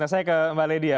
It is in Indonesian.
nah saya ke mbak ledia